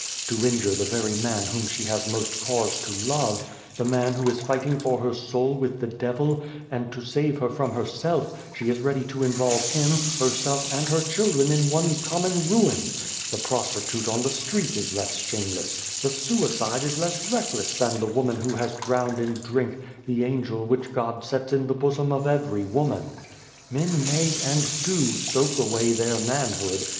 To injure the very man whom she has most cause to love, the man who is fighting for her soul with the devil, and to save her from herself, she is ready to involve him, herself, and her children in one common ruin. The prostitute on the street is less shameless ; the suicide is less reckless than the woman who has drowned in drink the angel which God sets in the bosom of every woman. Men may, and do, soak away their manhood.